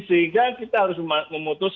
sehingga kita harus memutus